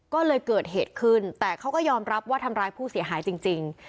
ก็เลยเกิดเหตุขึ้นแต่เขาก็ยอมรับว่าทำร้ายผู้เสียหายจริง